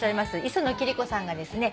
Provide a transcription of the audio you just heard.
磯野貴理子さんがですね